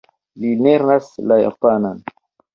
Li lernas la japanan.